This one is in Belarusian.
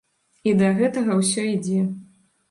І да гэтага ўсё ідзе.